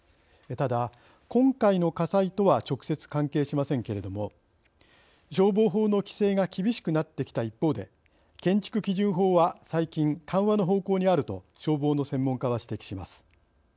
ただ、今回の火災とは直接関係しませんけれども消防法の規制が厳しくなってきた一方で建築基準法は最近緩和の方向にあると消防の専門家は指摘します。